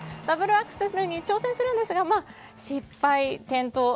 ダブルアクセルに挑戦するんですが失敗、転倒。